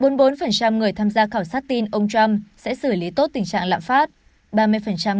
bốn mươi bốn người tham gia khảo sát tin ông trump sẽ xử lý tốt tình trạng lạm phát